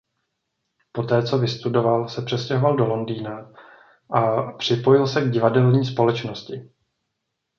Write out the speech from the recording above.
Poté co vystudoval se přestěhoval do Londýna a připojil se k divadelní společnosti.